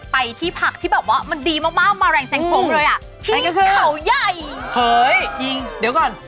ไปที่หักที่แบบว่ามันดีมาก